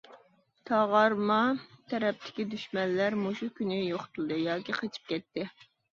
تاغارما تەرەپتىكى دۈشمەنلەر مۇشۇ كۈنى يوقىتىلدى ياكى قېچىپ كەتتى.